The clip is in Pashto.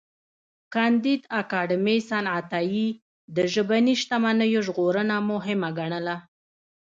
کانديد اکاډميسن عطايی د ژبني شتمنیو ژغورنه مهمه ګڼله.